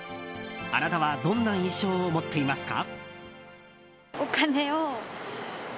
あなたは、どんな印象を持っていますか？